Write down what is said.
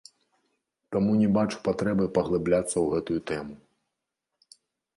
Таму не бачу патрэбы паглыбляцца ў гэтую тэму.